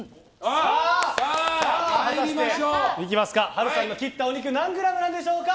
波瑠さんが切ったお肉何グラムなんでしょうか。